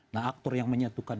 nah aktor yang menyatukan